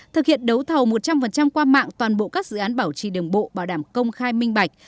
thực hiện đấu thầu một trăm linh qua mạng toàn bộ các dự án bảo trì đường bộ bảo đảm công khai minh bạch